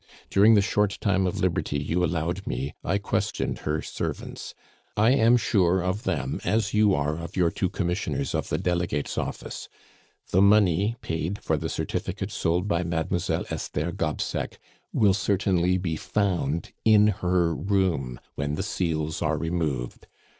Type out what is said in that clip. During the short time of liberty you allowed me, I questioned her servants. I am sure of them as you are of your two commissioners of the Delegates' office. The money paid for the certificate sold by Mademoiselle Esther Gobseck will certainly be found in her room when the seals are removed.